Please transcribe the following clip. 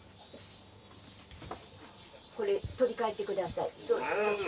これ取り換えてください。